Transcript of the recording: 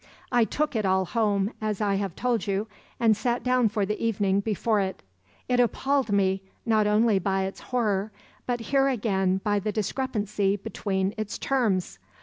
"I took it all home, as I have told you, and sat down for the evening before it. It appalled me, not only by its horror, but here again by the discrepancy between its terms.